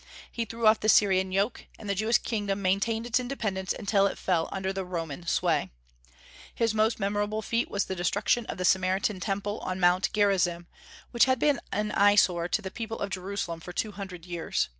He threw off the Syrian yoke, and the Jewish kingdom maintained its independence until it fell under the Roman sway. His most memorable feat was the destruction of the Samaritan Temple on Mount Gerizim, which had been an eye sore to the people of Jerusalem for two hundred years.